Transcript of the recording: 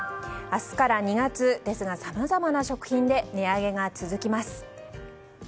明日から２月ですがさまざまな食品で値上げが続きます。